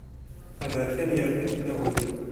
Aberkan yerna fell-awen.